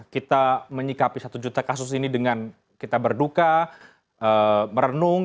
kita menyikapi satu juta kasus ini dengan kita berduka merenung